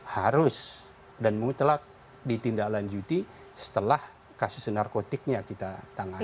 harus dan mutlak ditindaklanjuti setelah kasus narkotiknya kita tangani